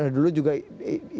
dulu juga idris marham